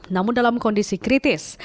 namun dalam kondisi kritis